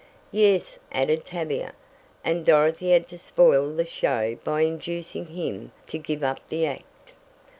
"Yes," added Tavia, "and Dorothy had to spoil the show by inducing him to give up the act.